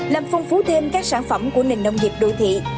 làm phong phú thêm các sản phẩm của nền nông nghiệp đô thị